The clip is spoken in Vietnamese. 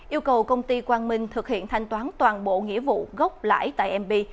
yêu cầu công ty quang minh thực hiện thanh toán toàn bộ nghĩa vụ gốc lãi tại mb